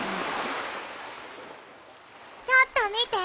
・ちょっと見て。